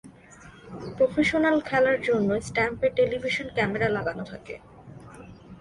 Professional খেলার জন্য, স্ট্যাম্পে টেলিভিশন ক্যামেরা লাগানো থাকে।